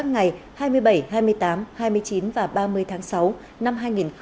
các ngày hai mươi bảy hai mươi tám hai mươi chín và ba mươi tháng sáu năm hai nghìn hai mươi ba